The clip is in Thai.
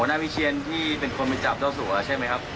อ๋อหัวหน้าพิเชียรที่เป็นคนไปจับเจ้าสัวร์ใช่ไหมครับ